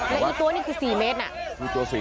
แล้วอีกตัวนี่คือ๔เมตร